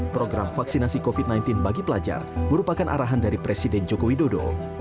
program vaksinasi covid sembilan belas bagi pelajar merupakan arahan dari presiden joko widodo